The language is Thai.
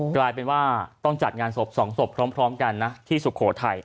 กลายเป็นว่าต้องจัดงานศพ๒ศพพร้อมกันนะที่สุโขทัย